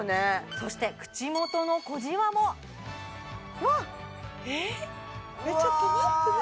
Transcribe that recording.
そして口元の小じわもえっちょっと待って何？